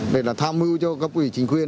để tham mưu cho các quỹ chính quyền